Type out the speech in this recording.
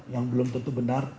yang belum tentu benar